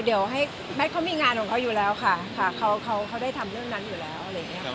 เดี๋ยวให้แมทเขามีงานของเขาอยู่แล้วค่ะเขาได้ทำเรื่องนั้นอยู่แล้วอะไรอย่างนี้ค่ะ